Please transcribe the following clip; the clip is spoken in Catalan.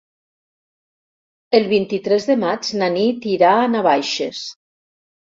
El vint-i-tres de maig na Nit irà a Navaixes.